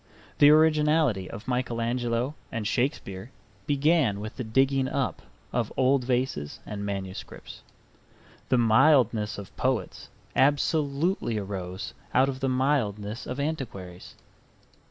The originality of Michael Angelo and Shakespeare began with the digging up of old vases and manuscripts. The mildness of poets absolutely arose out of the mildness of antiquaries.